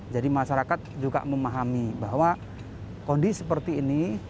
masyarakat juga memahami bahwa kondisi seperti ini